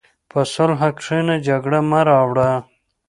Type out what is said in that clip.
په صلح کښېنه، جګړه مه راوړه.